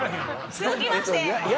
続きまして。